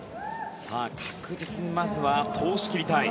確実にまずは通し切りたい。